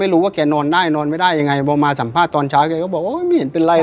พี่แจ๊กก็สวนเสียให้ฮากันนำมดาคุยกันไปคุยกันมาก็อำพี่นัทว่าเฮ้ยถ้าไม่กลัวเรียกพวกเรามาทำไมอะไรแบบเนี้ยนะ